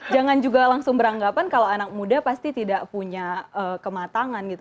jangan juga langsung beranggapan kalau anak muda pasti tidak punya kematangan gitu